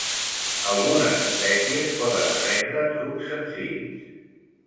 Algunes espècies poden aprendre trucs senzills.